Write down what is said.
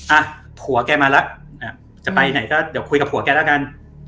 อ่ะผัวแกมาแล้วจะไปไหนก็เดี๋ยวคุยกับผัวแกแล้วกัน